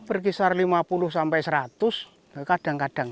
berkisar lima puluh sampai seratus kadang kadang